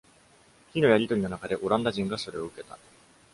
火のやり取りのなかで、オランダ人がそれを受けた。